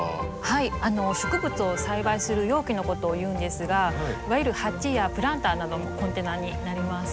植物を栽培する容器のことをいうんですがいわゆる鉢やプランターなどもコンテナになります。